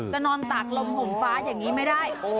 นอนตากลมห่มฟ้าอย่างนี้ไม่ได้